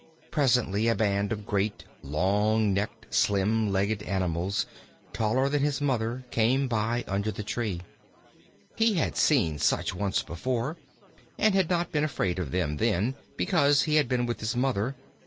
Presently a band of great, long necked, slim legged animals, taller than his Mother, came by under the tree. He had seen such once before and had not been afraid of them then, because he had been with his Mother.